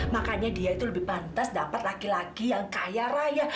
makanya dia itu lebih pantas dapat laki laki yang kaya raya